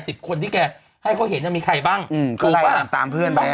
สิบคนที่แกให้เขาเห็นนี่มีใครบ้างมีใครตามเพื่อนไป